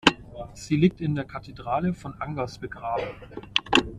Sie liegt in der Kathedrale von Angers begraben.